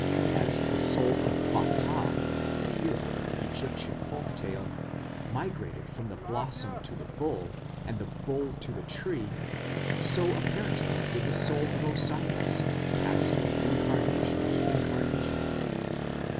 As the soul of Bata, the hero of the Egyptian folk tale, migrated from the blossom to the bull, and the bull to the tree, so apparently did the soul of Osiris pass from incarnation to incarnation.